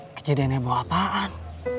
kejadian heboh apaan